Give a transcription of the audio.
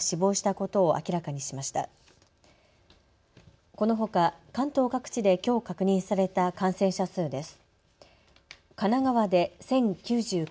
このほか関東各地できょう確認された感染者数です。